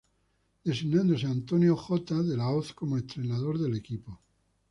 Designándose a Antonio J. de La Hoz como entrenador del equipo.